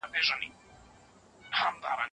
ولي محنتي ځوان د وړ کس په پرتله موخي ترلاسه کوي؟